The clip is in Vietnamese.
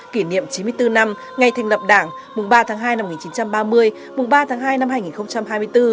kỷ niệm chín mươi bốn năm ngày thành lập đảng mùng ba tháng hai năm một nghìn chín trăm ba mươi mùng ba tháng hai năm hai nghìn hai mươi bốn